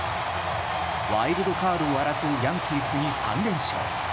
ワイルドカードを争うヤンキースに３連勝。